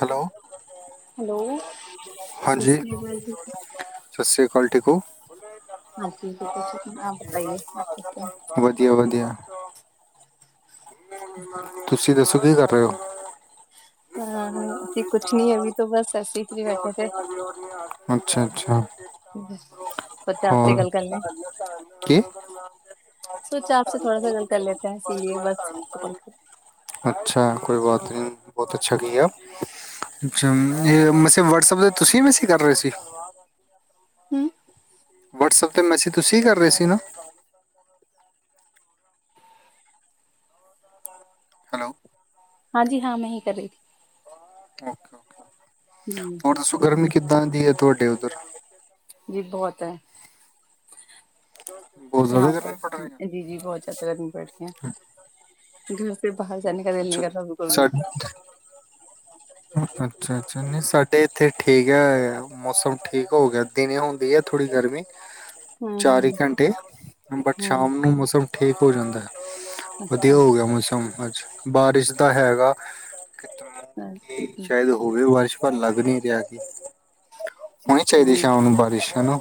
Hello, ਹਾਂਜੀ। ਸਾਸੀ ਕਾਲ ਠੀਕ ਓ। ਕੀ ਵਧੀਆ। ਤੁਸੀਂ ਦੱਸੋ ਕੀ ਕਰ ਰਹੇ ਓ? ਅੱਛਾ-ਅੱਛਾ। ਬੱਚਾ ਆਪ 'ਚ ਗੱਲ ਕਰਨੇ। ਕੀ ਸੋਚਾ ਆਪ ਸੇ ਥੋੜਾ ਸਾ ਗੱਲ ਕਰ ਲੇਤੇ ਹੈ ਇਸੀ ਲੀਏ ਬਸ। ਅੱਛਾ ਕੋਈ ਬਾਤ ਨੀ ਬਹੁਤ ਅੱਛਾ ਕੀਆ। ਅੱਛਾ ਮੈਸੇ ਵਟਸਐਪ ਦੇ ਤੁਸੀਂ ਮੈਸੇ ਕਰ ਰਹੇ ਸੀ? ਹੂੰ ਵਟਸਐਪ ਤੇ ਮੈਸੇਜ ਤੁਸੀਂ ਕਰ ਰਹੇ ਸੀ ਨਾ? ਹੈਲੋ ਹਾਂਜੀ ਹਾਂ ਮੈਂ ਹੀ ਕਰੀ। ਓਕੇ-ਓਕੇ, ਹੋਰ ਦੱਸੋ ਗਰਮੀ ਕਿੱਦਾਂ ਦੀ ਹੈ ਤੁਹਾਡੇ ਉੱਧਰ? ਜੀ ਬਹੁਤ ਹੈ, ਬਹੁਤ ਜ਼ਿਆਦਾ ਯਹਾਂ ਪਰ। ਗਰਮੀ ਪੜ ਰਹੀ ਹੈ ਜੀ-ਜੀ ਬਹੁਤ ਜ਼ਿਆਦਾ ਗਰਮੀ ਬੈਠ ਰਹੀ ਹੈ, ਘਰ ਸੇ ਬਾਹਰ ਜਾਨੇ ਕਾ ਦਿਲ ਨਹੀ ਕਰ- ਸੱਠ ਅੱਛਾ-ਅੱਛਾ ਨਹੀਂ ਸਾਡੇ ਇੱਥੇ ਠੀਕ ਏ। ਮੌਸਮ ਠੀਕ ਹੋ ਗਿਆ ਦਿਨੇ ਹੁੰਦੀ ਏ ਥੋੜੀ ਗਰਮੀ। ਚਾਰ ਘੰਟੇ, ਬਟ ਸ਼ਾਮ ਨੂੰ ਮੌਸਮ ਠੀਕ ਹੋ ਜਾਂਦਾ। ਵਧੀਆ ਹੋ ਗਿਆ ਮੌਸਮ ਅੱਜ, ਬਾਰਿਸ਼ ਦਾ ਹੈਗਾ। ਕਿ ਸ਼ਾਇਦ ਹੋਵੇ ਵਾਰਿਸ਼ ਪਰ ਲੱਗ ਨੀ ਰਿਹਾ ਸੀ। ਹੋਣੀ ਚਾਹੀਦੀ ਸ਼ਾਮ ਨੂੰ ਬਾਰਿਸ਼ਾਂ ਹਨਾਂ।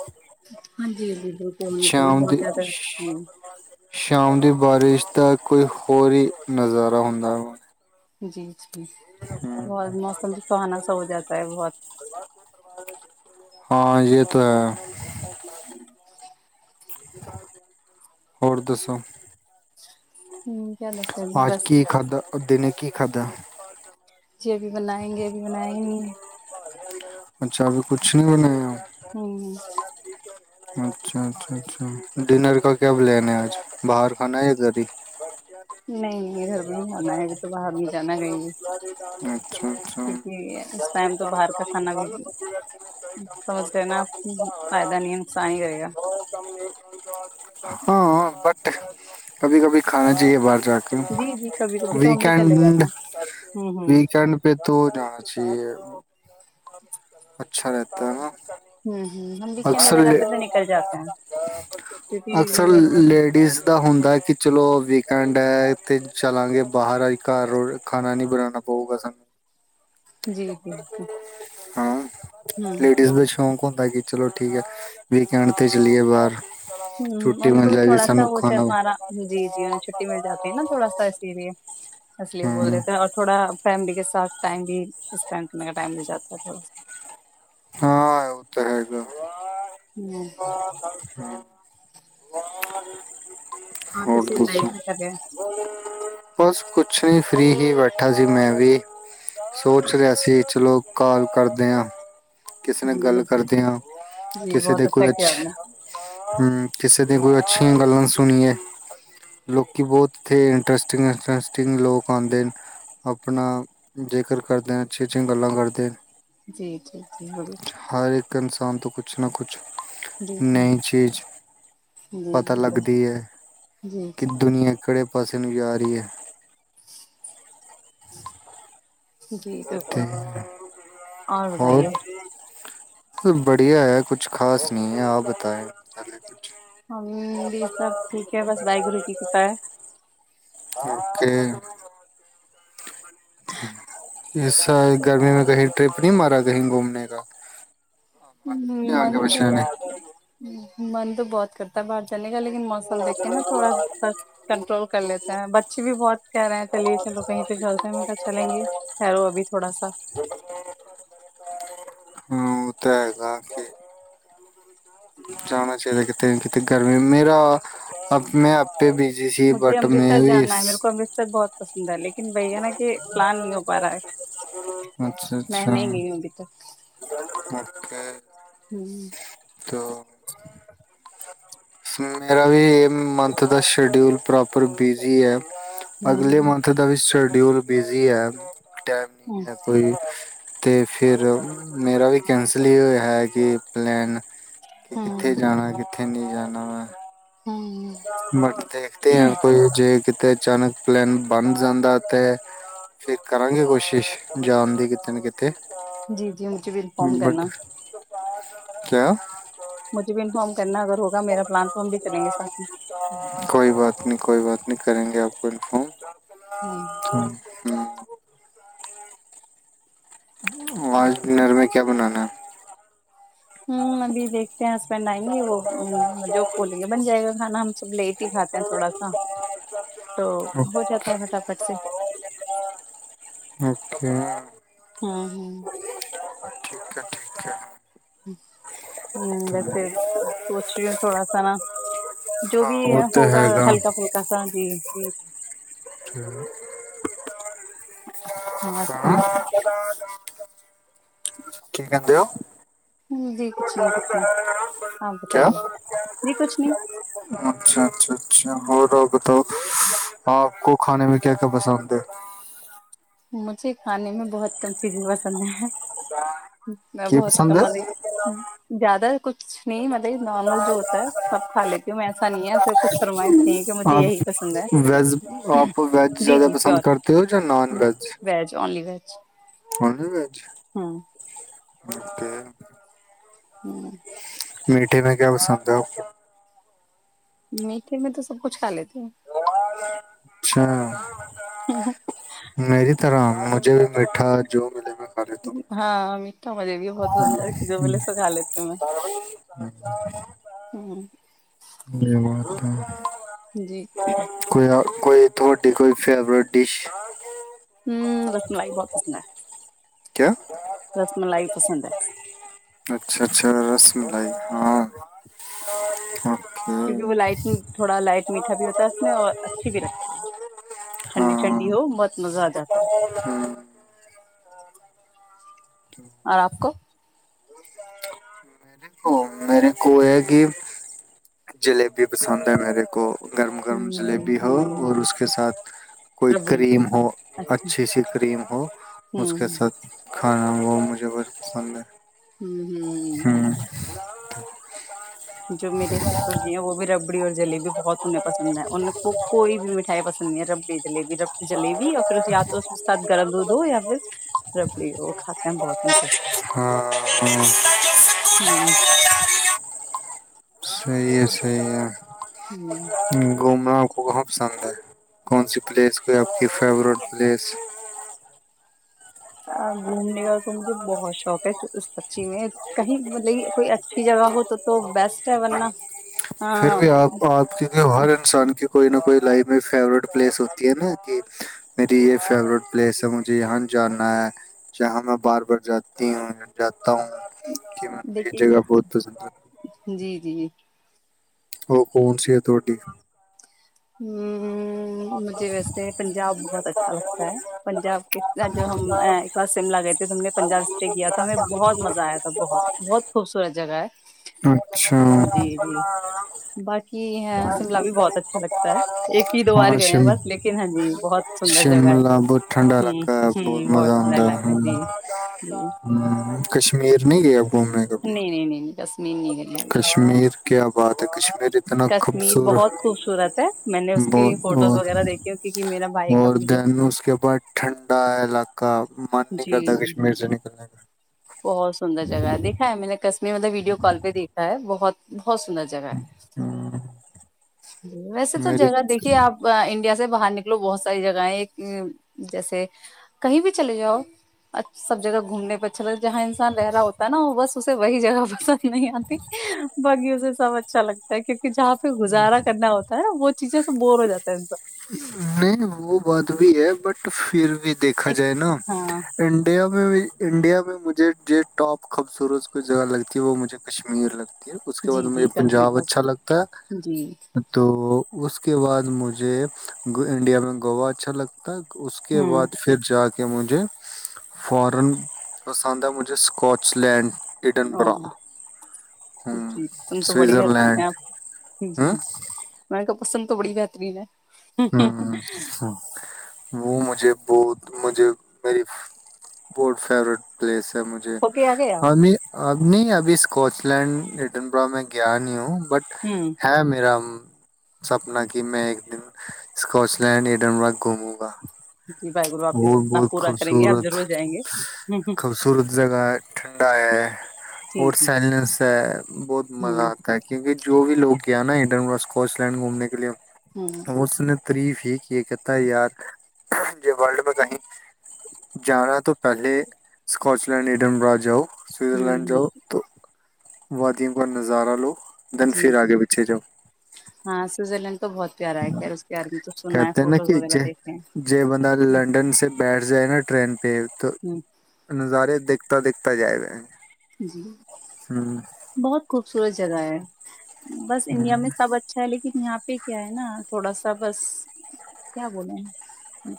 ਹਾਂਜੀ-ਹਾਂਜੀ ਵੋ ਤੋ ਹੋਨੀ ਚਾਹੀਏ ਬਹੁਤ ਦੀ ਜਿਆਦਾ ਸ਼ਾਮ ਦੀ ਬਾਰਿਸ਼ ਦਾ ਕੋਈ ਹੋਰ ਈ, ਨਜ਼ਾਰਾ ਹੁੰਦਾ ਵਾ। ਜੀ-ਜੀ ਹੂੰ ਹਾਂ ਯੇ ਤੋ ਹੈ। [unintelligible] ਹੋਰ ਦੱਸੋ। ਹੂੰ ਕਿਆ ਦੱਸਿਆ ਜੀ ਅੱਜ ਬਸ- ਕੀ ਖਾਧਾ? ਦਿਨੇ ਕੀ ਖਾਧਾ? ਜੀ ਅਭੀ ਬਨਾਏਗੇ ਅਭੀ ਬਨਾਏ ਨੀ। ਅੱਛਾ ਅਭੀ ਕੁਛ ਨੀ ਬਨਾਇਆ। ਹੂੰ ਅੱਛਾ ਅੱਛਾ ਅੱਛਾ ਡਿਨਰ ਕਾ ਕਿਆ ਪਲੈਨ ਹੈ ਆਜ, ਬਾਹਰ ਖਾਨਾ ਜਾਂ ਘਰ ਹੀ? [unintelligible] ਨਹੀਂ-ਨਹੀਂ ਇਧਰ ਮੇ ਹੀ ਖਾਨਾ ਹੈ ਆਜ ਤੋਂ ਬਾਹਰ ਨੀ ਜਾਨਾ ਕਹੀ ਵੀ। ਅੱਛਾ-ਅੱਛਾ [unintelligible] ਕੰਮ ਕੰਮ ਕਰ [unintelligible] [unintelligible] ਹਾਂ ਬਟ, ਕਭੀ-ਕਭੀ ਖਾਨਾ ਚਾਹੀਏ ਬਾਹਰ ਜਾ ਕੇ। ਵੀਕੈਡ। ਵੀਕੈਡ ਪੇਪਰਬੋਟ ਜਾਣਾ ਚਾਹੀਏ। ਅੱਛਾ ਰਹਿਤਾ‌ ਵਹਾ। ਹਮ ਬੀਕਾਨੇਰਤੇ ਤੋ ਨਿਕਲ ਜਾਤੇ ਨਿਕਲ ਜਾਤਾ ਕਿਉਂਕਿ ਏਦਾਂ ਹੁੰਦਾ ਕਿ ਚਲੋ ਵੀਕਐਂਡ ਹੈ ਤੇ ਚਲਾਂਗੇ ਬਾਹਰ। ਅੱਜ ਘਰ ਖਾਣਾ ਨੀ ਬਣਾਉਣਾ ਪਊਗਾ ਸਾਨੂੰ ਹਾਂ ਲੇਡੀਜ਼ ਦਾ ਸ਼ੌਕ ਹੁੰਦਾ ਕਿ ਚਲੋ ਠੀਕ ਹੈ। ਵੀਕੈਡ ਤੇ ਚਲੀਏ ਬਾਹਰ ਹਮ ਛੁੱਟੀ ਮਿਲ ਹਮਕੋ ਵੀ ਜਾਏਗੀ ਥੋੜਾ ਸਾ ਸਾਨੂੰ ਖਾਣਾ [unintelligible] ਜੀ ਜੀ ਉਹਨੂੰ ਛੁੱਟੀ ਮਿਲ ਜਾਤੀ ਹੈ ਨਾ ਥੋੜਾ ਸਾ ਇਸ ਲਈ ਅਸਲੀ ਬੋਲ ਰਹੇ ਥੇ ਹਮ। ਥੋੜਾ ਫੈਮਿਲੀ ਕੇ ਸਾਥ ਟਾਈਮ ਵੀ ਸਪੈਂਡ ਕਰਨ ਟਾਈਮ ਲ ਜਾਤਾ ਹੈ ਥੋੜਾ ਸਾ ਹਾਂ ਉਹ ਤਾਂ ਹੈਗਾ ਹਮ। ਹੋਰ ਕੁਛ? ਬਸ ਕੁਛ ਨੀ। ਫ੍ਰਰੀ ਹੀ ਬੈਠਾ ਸੀ ਮੈਂ ਵੀ‌ ਸੋਚ ਰਿਹਾ ਸੀ ਚਲੋ ਕਾਲ ਕਰਦੇ ਹਾਂ। ਕਿਸੇ ਨੇ ਗੱਲ ਕਰਦੇ ਹਾਂ। ਕਿਸੇ ਦੇ ਕੋਈ ਅੱਛ ਹਮ ਕਿਸੇ ਦੀ ਕੋਈ ਅੱਛੀਆਂ ਗੱਲਾਂ ਸੁਣੀਏ। ਲੋਕੀ ਬਹੁਤ ਇੱਥੇ ਇੰਟਰਸਟਿੰਗ- ਇੰਟਰਸਟਿੰਗ ਲੋਕ ਲੋਕ ਆਂ ਨੇ ਆਪਣਾ ਜੇਕਰ ਕਰਦੇ ਅੱਛੀਆਂ ਅੱਛੀਆਂ ਗੱਲਾਂ ਕਰਦੇ ਆ। ਜੀ ਜੀ ਜੀ। ਹਰ ਇੱਕ ਇਨਸਾਨ ਤੋਂ ਕੁਛ ਨਾ ਕੁਛ ਨਈ ਚੀਜ਼ ਪਤਾ ਲੱਗਦੀ ਹੈ ਕਿ ਦੁਨੀਆਂ ਕਿਹੜੇ ਪਾਸੇ ਨੂੰ ਜਾ ਰਹੀ ਹੈ। ਜੀ ਤੇ ਬਿਲਕੁਲ। ਹੋਰ ਬੜੀਆ ਹੈ ਕੁਛ ਖ਼ਾਸ ਨਹੀਂ ਹੈ। ਆਪ ਬਤਾਏ? [unintelligible] ਓਕੇ। ਇਸ ਸਾਲ ਗਰਮੀ ਮੈਂ ਕਹੀ ਟ੍ਰਿਪ ਨਹੀਂ ਮਾਰਾ ਕਹੀ ਘੁੰਮਨਗ ਕਾ ਮਨ ਤੋ ਮਨ ਤੋ ਬਹੁਤ ਕਰਦਾ ਕਿ ਤਾਂ ਬਾਹਰ ਚੱਲੇਗਾ ਲੇਕਿਨ ਮੌਸਮ ਦੇਖ ਨਾ ਥੋੜਾ ਬੌਤ ਕਰ ਲਤਾ ਹੈ ਬੱਚੇ ਵੀ ਬਹੁਤ ਕਹਿ ਰਹੇ ਹੈ ਚਲੀਏ ਚਲੋ ਕਹੀ ਪ ਚਲਦੇ ਮੈਂ ਕਿਹਾ ਚਲੇ ਗੇ। ਠਹਿਰੋ ਅਬੀ ਥੋੜਾ ਸਾ [unintelligible] ਹਮ ਓਤੇ ਹੈਗਾ। ਜਾਣਾ ਚਾਹੀਦਾ ਕਿਤੇ ਨਾ ਕਿਤੇ। ਗਰਮੀ ਦਾ ਅੱ ਮੇਰਾ ਮੈਂ ਬਿਜੀ ਸੀ ਬਟ ਮੈਂ ਵੀ ਸਭ ਬਹੁਤ ਪਸੰਦ ਹੈ ਲੇਕਿਨ ਓਹੀ ਆ ਨਾ ਪਲਾਨ ਨਹੀਂ ਹੋ ਪਾ ਰਿਹਾ ਹੈ। ਅੱਛਾ ਮੈਂ ਅੱਛਾ ਨਹੀਂ ਗਈ ਅਭੀ ਤਕ ਓਕੇ। [unintelligible] [unintelligible] ਮੇਰਾ ਵੀ ਇਹ ਮੰਥ ਦਾ ਸ਼ਡਿਊਲ ਪ੍ਰੋਪਰ ਬਿਜੀ ਹੈ। ਅਗਲੇ ਮੰਥ ਦਾ ਵੀ ਸ਼ਡਿਊਲ ਬਿਜ਼ੀ ਹੈ ਟਾਈਮ ਨਹੀਂ ਹੈ ਕੋਈ ਤੇ ਫਿਰ ਮੇਰਾ ਵੀ ਕੈਂਸਲ ਹੀ ਹੋਇਆ ਹੈ ਕਿ ਪਲੈਨ ਕਿ ਕਿੱਥੇ ਜਾਣਾ? ਕਿੱਥੇ ਨਹੀਂ ਜਾਣਾ ਵ? ਹਮ। ਬਟ ਦੇਖਦੇ ਆਂ ਕੋਈ ਜੇ ਕੀਤੇ ਅਚਾਨਕ ਪਲੈਨ ਬਨ ਜਾਂਦਾ ਤੇ ਫੇ ਕਰਾਂਗੇ ਕੋਸੀ਼ਸ਼ ਜਾਣ ਦੀ ਕੀਤੇ ਨਾ ਕੀਤੇ। ਜੀ-ਜੀ [unintelligible] ਬਟ ਕੇਆ? ਮੁਝੇ ਵੀ ਈਨਫੋਮ ਕਰਨਾ ਅਗਰ ਹੋਗਾ ਮੇਰਾ ਪਲਾਨ ਤੋ ਹਮ ਵੀ ਚਲੇਗੇ ਸਾਥ ਮੇ। ਕੋਈ ਬਾਤ ਨੀ ਕੋਈ ਬਾਤ ਨੀ ਕਰੇਗੇ ਆਪ ਕੋ ਈਨਫੋਮ। ਆਜ ਡੀਨਰ ਮੈਂ ਕੇਆ ਬਣਾਨਾ ਐ? ਹੂੰ ਅਬੀ ਦੇਖ ਤੈਂ ਹਸਬੈਂਡ ਆਏਂਗੇ ਓ ਜੋ ਬੋਲੇਗੇ ਬਣ ਜਾਏਗਾ ਖਾਨਾ ਹਮ ਸਭ ਲੇਟ ਈ ਖਾਤੇ ਹੈ ਥੋੜਾ ਸਾ ਤੋ ਹੋ ਜਾਤਾ ਹੈ ਫਟਾਫਟ ਸੇ। ਓਕੇ ਹੂੰ-ਹੂੰ। ਠੀਕ ਐ ਠੀਕ ਐ। ਹੂੰ ਵੈਸੇ, ਸੋਚ ਰਈ ਥੋੜਾ ਸਾ ਨਾ ਜੋ ਹਾਂ ਵੀ ਉਹ ਤੇ ਹੋਗਾ ਹੈਗਾ ਹਲਕਾ-ਫੁਲਕਾ ਸਾ ਜੀ-ਜੀ [inaudible] [inaudible] ਕੀ ਕੈਂਦੇ ਓ? ਕੇਆ? ਅੱਛਾ ਛਾ-ਛਾ ਔਰ ਤਾਂ ਬਤਾਓ ਆਪ ਕੋ ਖਾਣੇ ਮੈਂ ਕੇਆ- ਕੇਆ ਪਸੰਦ ਐ? ਮੁਝੇ ਖਾਣੇ ਮੇ ਬੌ ਕਮ ਚੀਜ਼ੇ ਪਸੰਦ ਹੈਂ। [unintelligible] ਮੈਂ ਬਹੋਤ ਕਮਦੇ ਲੀ, ਜਾਦਾ ਕੁਛ ਨੀ ਮਤਲੇ ਨੋਰਮਲ ਜੋਤ ਐ, ਸਭ ਖਾ ਲ ਮ ਐਸਾ ਨਈ ਐ ਕੇ ਕੁਛ ਫੇਮਾਏ ਕੇ ਮੁਜੇ ਜੈਹੀ ਪਸੰਦ ਐ, ਜੀ-ਜੀ pure [unintelligible] veg only veg. Only veg? ਹੂੰ ਓਕੇ ਹੂੰ ਮੀਠੇ ਮੈਂ ਕੇਆ ਪਸੰਦ ਐ? ਮੀਠੇ ਮੇ ਤੋ ਸਭ ਕੁਛ ਖਾ ਲੇਤੀ ਹੂੰ। ਅੱਛਾ ਉ ਹੂੰ ਮੇਰੀ ਤਰਾ ਮੁਝੇ ਮੀਠਾ ਜੋ ਹਾਂ ਐਂਵੇ ਤਾਂ ਮਜ਼ੇ ਵੀ ਬੌਤ ਹੁੰਦਾ ਏ ਏਕ-ਦੋ ਬੋਲੇ ਸਖਾ ਲੇਤੀ ਹੂੰ ਮੈ [unintelligible] ਹੂੰ [unintelligible] ਜੀ ਕੋਏਆ ਕੋਈ ਧੁਆਡੀ ਕੋਈ ਫੇਵਰੀ ਡੀਸ਼? ਹੂੰ ਰਸਮਲਾਈ ਬੌਤ ਪਸੰਦ ਐ। ਕੇਆ ਅੱਛਾ ਛਾ ਰਸ ਮਲਾਈ ਹਾਂ, ਹਾਂ ਕਿਉਂਕਿ ਉਹ ਲਾਈਟ ਥੋੜਾ ਲਾਈਟ ਮੀਠਾ ਭੀ ਹੋਤਾ ਹੈ ਉਸੇ ਔ ਅੱਛੀ ਭੀ ਲਗਤੀ ਐ [inaudible] ਠੰਡੀ ਠੰਡੀ ਹੋ ਬਹੁਤ ਮਜ਼ਾ ਆ ਜਾਤਾ ਐ [unintelligible] [unintelligible] ਔਰ ਆਪ ਕੋ [unintelligible] ਦੇੋ ਮੇਰੇ ਕੋ ਇਹ ਕਿ ਜਲੇਬੀ ਪਸੰਦ ਹੈ ਮੇਰੇ ਕੋ ਗਰਮ ਗਰਮ ਜਲੇਬੀ ਹੋ ਓਰ ਉਸਕੇ ਸਾਥ ਕੋਈ ਕਰੀਮ ਹੋ ਅੱਛੀ ਸੀ ਕਰੀਮ ਹੋ ਉਸਕੇ ਸਾਥ ਹਾਂ ਹਾਂ ਹਾਂ ਉਹ ਮੁਝੇ ਬਹੁਤ ਪਸੰਦ ਹੈ ਹੂੰ ਹੂੰ ਹੂੰ ਜੋ ਮੇਰੇ [unintelligible] ਜੀ ਆ ਉਹ ਵੀ ਰਬੜੀ ਓਰ ਜਲੇਬੀ ਬਹੁਤਨੇ ਪਸੰਦ ਉਹਨ ਕੋਈ ਵੀ ਮਿਠਾਈ ਪਸੰਦ ਨਈ ਐ ਰਬੜੀ ਜਲੇਬੀ ਰਬੜੀ ਜਲੇਬੀ ਜਾ ਫਿਰ ਉਸ ਯਾਦ ਉਸ ਗਰਮ ਦੂਧ ਹੋ ਜਾਂ ਫਿਰ ਰਬੜੀ ਹੋ ਖਾਤੇ ਹ ਬਹੁਤ ਹ [inaudible] ਹੂੰ ਸਹੀ ਐ ਸਹੀ ਐ [inaudible] [unintelligible] ਐ ਕੌਣਸੀ ਪਲੇਸ ਕੋਈ ਆਪ ਕੀ ਫੇਵਰੇਟ ਪਲੇਸ ਅ ਘੁੱਮਣੇ ਕਾ ਤੋ ਮੁਜੇ ਬਹੁਤ ਸ਼ੌਕ ਐ ਸੱਚੀ ਮੈਂ ਕਹੀ ਮਤਲਬ ਕਿ ਕੋਈ ਅੱਛੀ ਜਗਾ ਹੋ ਬੈਸਟ ਹੈ ਵਰਨਾ ਹਾਂ [unintelligible] ਹਰ ਇਨਸਾਨ ਕੀ ਕੋਈ ਨਾ ਕੋਈ ਲਾਈਫ ਫੇਵਰੇਟ ਪਲੇਸ ਹੋਤੀ ਹੈ ਨਾ ਕਿ ਮੇਰੀ ਇਹ ਫੇਵਰੇਟ ਪਲੇਸ ਐ ਮੁਝੇ ਯਾਂ ਜਾਨਨਾ ਐ ਜਹਾਂ ਮੈਂ ਬਾਰ ਬਾਰ ਜਾਤੀ ਹੂੰ ਜਾਤਾ ਹੂੰ ਕਿ ਮੈਨੂੰ ਜੀ ਜੀ ਉਹ ਕੌਣ ਸੀ ਐ ਤੁਹਾਡੀ ਹੂੰ ਹੂੰ ਹੂੰ ਮੁਜੇ ਵੈਸੇ ਪੰਜਾਬ ਬਹੁਤ ਅੱਛਾ ਲੱਗਤਾ ਹੈ ਪੰਜਾਬ ਜੋ [unintelligible] ਸ਼ਿਮਲਾ ਗਏ ਥੇ ਹਮ ਨੇ ਪੰਜਾਬ ਸਟੇ ਕੀਆ ਥਾ ਹਮੇਂ ਬਹੁਤ ਮਜ਼ਾ ਆਇਆ ਥਾ ਬਹੁਤ ਬਹੁਤ ਖੂਬਸੂਰਤ ਜਗਾ ਹੈ ਜੀ ਜੀ ਬਾਕੀ ਹੈ ਸ਼ਿਮਲਾ ਵੀ ਬਹੁਤ ਅੱਛਾ ਲੱਗ ਇੱਕ ਹੀ ਦੋ ਵਾਰ ਗਏ ਆ ਬਸ ਲੇਕਿਨ ਹਾਂਜੀ ਬਹੁਤ ਸੁੰਦਰ ਜਗ੍ਹਾ ਹੈ ਹੂੰ ਹੂੰ ਬਹੁਤ ਨਾਲਇਕ ਐ ਜੀ ਹੂੰ ਕਸ਼ਮੀਰ ਨਹੀਂ ਗਿਆ ਘੁੰਮਨੇ ਕਭੀ [unintelligible] ਦੱਸ ਕਸ਼ਮੀਰ ਕਿਆ ਬਾਤ ਐ ਕਸ਼ਮੀਰ ਕਿਤਨਾ ਖੂਬਸੂਰਤ ਬਹੁਤ [unintelligible] ਔਰ ਦੈਨ ਉਸਕੇ ਬਾਅਦ ਠੰਡਾ ਲ [unintelligible] ਮਨ ਨਹੀਂ ਕਰਦਾ ਕਸ਼ਮੀਰ ਸੇ ਨਿਕਲਨੇ ਕਾ [inaudible] ਮੈਂ ਤਾਂ ਵੀਡੀਓ ਕਲ ਪੇ ਦੇਖਾ ਐ ਬਹੁਤ [unintelligible] [unintelligible] ਵੈਸੇ ਤਾਂ ਜਗ੍ਹਾ ਦੇਖੀ ਆਪ ਇੰਡੀਆ ਸੇ ਬਾਹਰ ਨਿਕਲੋ ਬਹੁਤ ਸਾਰੀ ਜਗਾਾ ਹੈ ਜੈਸੇ ਕਹੀ ਭੀ ਚਲੇ ਜਾਓ [unintelligible] ਸਭ ਜਗਾ ਘੁੰਮੇ ਪੇ ਅੱਛਾ ਲੱ ਜਾਂ ਇਨਸਾਨ ਰਹਿ ਰਿਹਾ ਹੋਤਾ ਨਾ ਉਹ ਬਸ ਉੇ ਵਹੀ ਜਗਾ ਪਸੰਦ ਨਹੀਂ ਆਤੀ [unintelligible] ਸਭ ਅੱਛਾ ਲਗਦਾ ਹੈ ਕਿਉਂਕਿ ਜ ਪਿਰ ਗੁਜ਼ਾਰਾ ਕਰਨਾ ਹੋਤਾ ਐ ਉਹ ਚੀਜ਼ੇ ਸ ਬੋਰ ਹੋ ਜਾਤਾ ਉਨਕਾ ਨਹੀਂ ਉਹ ਬਾਤ ਵੀ ਹੈ ਬਟ ਫਿਰ ਵੀ ਦੇਖਾ ਜਾਏ ਨਾ ਇੰਡੀਆ ਮੇ ਬੀ ਇੰਡੀਆ ਮੇ ਮੁਝੇ ਜੇ ਟੋਪ ਖੂਬਸੂਰਤ ਕੋਈ ਜਗਾ ਲਗਤੀ ਹੈ ਵੋ ਮੁਝੇ ਕਸ਼ਮੀਰ ਲਗਤੀ ਉਸ ਕੇ ਬਾਅਦ ਮੁਝੇ ਪੰਜਾਬ ਅੱਛਾ ਲੱਗਤਾ ਐ। ਤਾਂ ਉਸਕੇ ਬਾਅਦ ਮੁਝੇ ਇੰਡੀਆ ਮੈਂ ਗੋਵਾ ਅੱਛਾ ਲਗਤੈ। ਉਸਕੇ ਬਾਅਦ ਫਿਰ ਜਾ ਕੇ ਮੁਜੇ ਫੋਰਨ ਪਸੰਦ ਆ ਮੁਜੇ ਸਕੋਟਸਲੈਂਡ। ਇਡਨ ਬਰਾ ਜੀ ਪਸੰਦ ਤੋਂ ਬੜੀ ਹੈਤੀ ਮੈਂ [unintelligible] ਮੈਂ ਕਿਆ ਪਸੰਦ ਤੋਂ ਬੜੀ ਬੇਹਰੀਨ ਹੈ। ਹਾਂ ਹਾਂ। ਮੁ ਮੁਝੇ ਬਹੁਤ ਮੁਜੇ ਮੇਰੀ ਫੁੱਲ ਫੈਵਰੇਟ ਪਲੇਸ ਹੈ। ਅ ਨੀ ਅਬ ਨੀ ਅਬੀ ਸਕੋਚਲੈਂਡ ਇਡਨ ਬਰਾ ਮੈਂ ਗਿਆ ਨਈ ਹੁੰ ਬਟ ਹੁੰ ਐ ਮੇਰਾ ਸਪਨਾ ਕਿ ਮੈਂ ਏਕ ਦਿਨ ਸਕੋਚਲੈਂਡ ਹਿਡਨਵਰਕ ਘੁਮੂਗਾ। ਜੀ ਵਾਏਗੁਰੂ। ਬੌਤ ਬੌਤ ਖੂਬਸੂਰਤ, ਖੂਬਸੂਰਤ ਜਗਾ ਐ। ਠੰਡਾ ਹੈ ਔਰ ਸਾਇਲੈਂਸ ਹੈ ਬੌਤ ਮਜ਼ਾ ਆਤਾ ਹੈ ਕਿਉਂਕਿ ਜੋ ਵੀ ਲੋਕ ਗਿਆ ਨਾ ਹਿਡਨਵਾਸ ਕੋਸਲੈਂਡ ਘੁਮਨੇ ਕੇ ਲਿਏ ਉਸਨੇ ਤਰੀਫ ਹੀ ਕੀ ਕੈਤਾ ਯਾਰਕ ਜੇ ਵਰਲਡ ਮੇਂ ਕਹੀਂ ਜਾਣਾ ਤੋ ਪਹਿਲੇ ਸਕੋਚ ਲੈਂਡ ਹਿਡਨਬਰਾਜ ਜਾਓ। ਸਵਿਜ਼ਰਲੈਂਡ ਜਾਓ ਤੋ ਵਾਦੀਓ ਕਾ ਨਜ਼ਾਰਾ ਲਓ। ਜੀ ਹਾਂ ਸਵਿਜ਼ਰਲੈਂਡ ਤਾਂ ਬੌਤ ਪਿਆਰਾ ਏ ਖੈਰ ਉਸ ਕੀ ਆਰਮੀ ਕੋ ਸੁਣਨਾ ਹੈ ਫੋਟੋਜ਼ ਵਗੈਰਾ ਦੇਖਤੇ ਹੈਂ। ਜੇ ਬੰਦਾ ਲੰਡਨ ਸੇ ਬੈਠ ਜਾਏ ਨਾ ਟ੍ਰੈਨ ਪੇ ਤੋ ਹੁੰ ਨਜ਼ਾਰੇ ਦੇਖਤਾ ਦੇਖਤਾ ਜਾਏਗਾ। ਜ ਬਹੁਤ ਖੂਬਸੂਰਤ ਜਗਾ ਹੈ ਬਸ ਇੰਡੀਆ ਮੈਂ ਸਭ ਅ ਅੱਛਾ ਹੈ ਲੇਕਿਨ ਯਹਾਂ ਪੇ ਕਿਆ ਹੈ ਨਾ ਕਿ ਥੋੜਾ ਸਾ ਬਸ ਕਿਆ ਬੋਲੇ?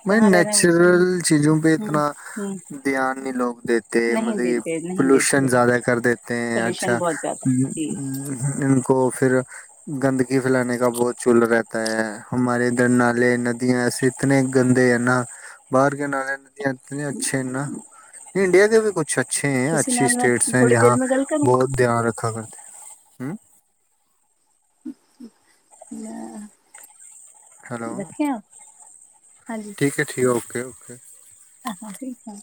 ਨਈ ਨੈਚੁਰਲ ਚੀਜ਼ੋ ਪੇ ਇਤਨਾ ਧਿਆਨ ਨੀ ਲੋਗ ਦੇਤੇ। ਤੇ ਮਤਲ ਪੋਲੂਸ਼ਨ ਜ਼ਿਆਦਾ ਕਰ ਦੇਤੇ ਹੈ ਅੱਛਾ ਇਨਕੋ ਫਿਰ ਗੰਦਗੀ ਫੈਲਾਨੇ ਕਾ ਬਹੁਤ ਚੁੱਲ ਰਹਿਤਾ ਹੈ ਹਮਾਰੇ ਇਧਰ ਨਾਲੇ, ਨਦੀਆ ਐਸੇ ਇਤਨੇ ਗੰਦੇ ਏ ਨਾ ਬਾਰ ਕੇ ਨਾਲੇ, ਨਦੀਆਂ ਇਤਨੇ ਅੱਛੇ ਨਾ ਨਈ ਇੰਡੀਆ ਦੇ ਵੀ ਕੁਛ ਅ ਅੱਛੇ ਹੈ ਤੁਸੀਂ ਅੱਛੀ ਨਾਲ ਮੈਂ ਸਟੇਟਸ ਹੈ ਥੋੜੀ ਦੇਰ ਯਹਾ ਮੈਂ ਗੱਲ ਕਰੂੰ ਬਉਤ ਧਿਆਨ ਰੱਖਾ ਕਰਤੇ ਮੈਂ ਵੇਖਿਆ ਹਾਂਜੀ। ਠੀਕ ਐ ਜੀ ਓਕੇ ਓਕੇ ਹਾਂ, ਹਾਂ ਠੀਕ ਆਂ